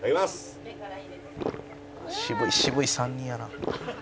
「うわ」「渋い３人やな」